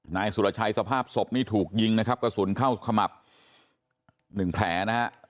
นายสุรชัยสภาพศพนี่ถูกยิงนะครับกระสุนเข้าขมับ๑แผลนะฮะ